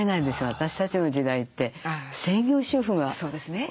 私たちの時代って専業主婦が。